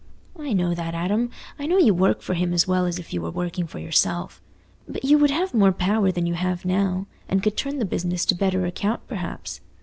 "I know that, Adam; I know you work for him as well as if you were working for yourself. But you would have more power than you have now, and could turn the business to better account perhaps.